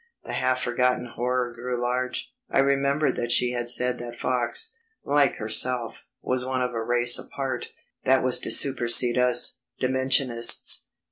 The half forgotten horror grew large; I remembered that she had said that Fox, like herself, was one of a race apart, that was to supersede us Dimensionists.